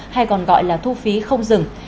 hay còn gọi là thu phí không dừng